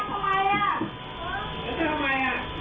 จุดใจรู้สึกเป็นอะไร